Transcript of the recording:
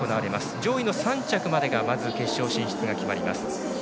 上位の３着までがまず決勝進出が決まります。